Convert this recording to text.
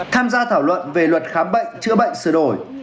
tham gia thảo luận về luật khám bệnh chữa bệnh sửa đổi